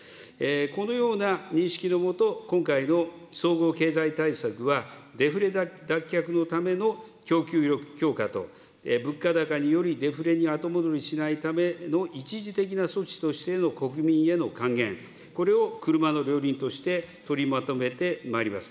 このような認識のもと、今回の総合経済対策は、デフレ脱却のための供給力強化と、物価高により、デフレに後戻りしないための一時的な措置としての国民への還元、これを車の両輪として取りまとめてまいります。